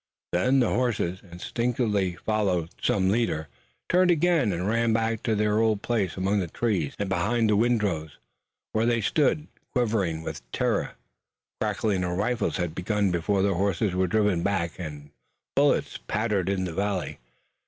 Then the horses, instinctively following some leader, turned again and ran back to their old places among the trees and behind the windrows, where they stood, quivering with terror. A crackling of rifles had begun before the horses were driven back, and bullets pattered in the valley.